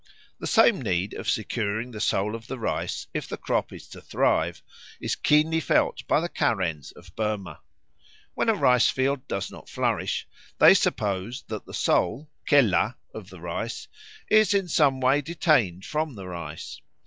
The same need of securing the soul of the rice, if the crop is to thrive, is keenly felt by the Karens of Burma. When a rice field does not flourish, they suppose that the soul (kelah) of the rice is in some way detained from the rice.